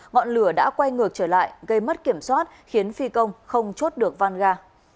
ngọn lửa đã quay ngược trở lại gây mất kiểm soát khiến phi công không chốt được van ga